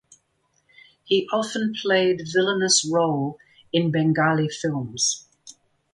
He often played villainous role in Bengali films.